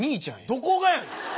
どこがやねん！